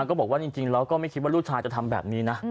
ก็บอกว่าจริงแล้วก็ไม่คิดว่าลูกชายจะทำแบบนี้นะ